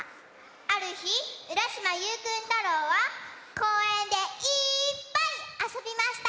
あるひうらしまゆうくん太郎はこうえんでいっぱいあそびました。